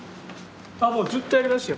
あもうずっとやりますよ。